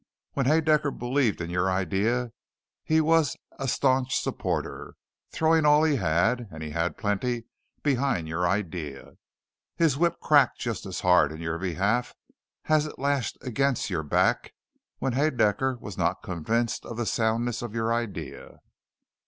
When Haedaecker believed in your idea, he was a staunch supporter, throwing all he had and he had plenty behind your idea. His whip cracked just as hard in your behalf as it lashed against your back when Haedaecker was not convinced of the soundness of your idea.